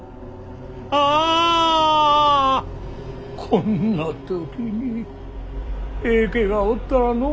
こんな時に平家がおったらの。